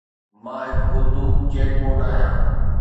مان هڪ Urdu chat bot آهيان.